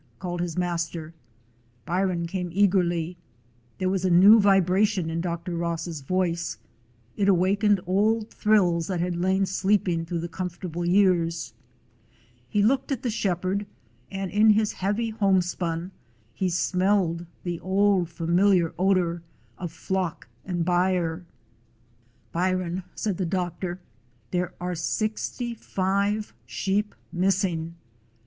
called his master. Byron came eagerly. There was a new vibration in Dr. Ross's voice; it awakened old thrills that had lain sleeping through the com fortable years. He looked at the shepherd, and in his heavy homespun he smelled the old familiar odor of flock and byre. "Byron," said the doctor, "there are sixty five sheep missing.